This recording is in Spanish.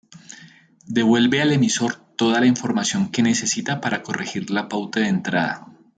Devuelve al emisor toda la información que necesita para corregir la pauta de entrada.